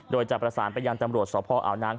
โดยจะประสานไปยังตำรวจสพออาวนาง